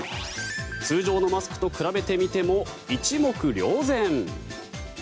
通常のマスクと比べてみても一目瞭然。